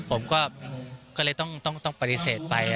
ผมก็เลยต้องปฏิเสธไป